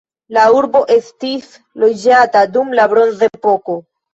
La urbo estis loĝata dum la bronzepoko.